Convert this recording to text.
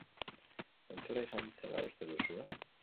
Zentsura izan zela uste duzue?